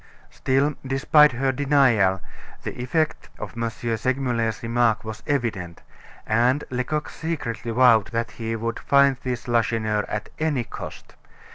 Still despite her denial, the effect of M. Segmuller's remark was evident, and Lecoq secretly vowed that he would find this Lacheneur, at any cost.